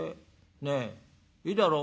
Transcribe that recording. ねえいいだろ？